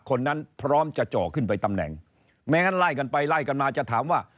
คนนั้นพร้อมจะเจาะขึ้นไปตำแหน่งแม้งั้นไล่กันไปไล่กันมาจะถามว่า